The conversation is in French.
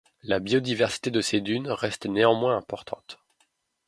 La biodiversité de ces dunes reste néanmoins importante.